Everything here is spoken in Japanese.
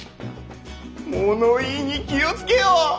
物言いに気を付けよ。